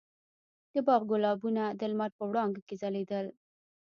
د باغ ګلابونه د لمر په وړانګو کې ځلېدل.